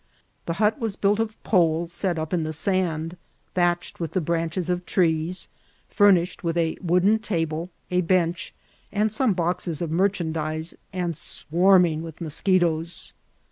The hut was built of poles set up in the sand, thatched with the branches of trees; furnished with a wooden table, a bench, and some boxes of mer chandise, and swarming with moschetoes.